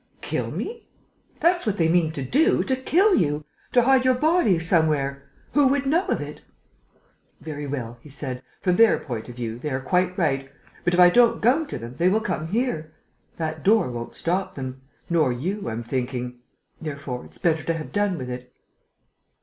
"Kill me?" "That's what they mean to do, to kill you ... to hide your body somewhere.... Who would know of it?" "Very well," he said, "from their point of view, they are quite right. But, if I don't go to them, they will come here. That door won't stop them.... Nor you, I'm thinking. Therefore, it's better to have done with it."